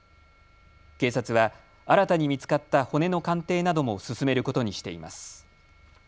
警察は新たに見つかった骨の鑑定なども進めることにしています。